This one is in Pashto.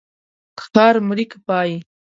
که ښار مرې که پايي.